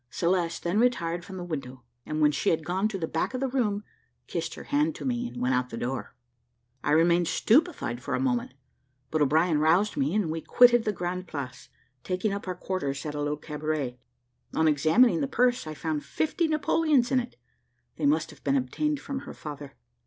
Celeste then retired from the window, and when she had gone to the back of the room kissed her hand to me, and went out at the door. I remained stupefied for a moment, but O'Brien roused me, and we quitted the Grande Place, taking up our quarters at a little cabaret. On examining the purse, I found fifty Napoleons in it: they must have been obtained from her father.